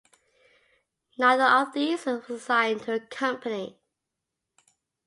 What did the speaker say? Neither of these was assigned to a company.